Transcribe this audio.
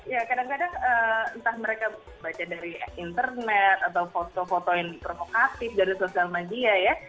ya kadang kadang entah mereka baca dari internet atau foto foto yang provokatif dari sosial media ya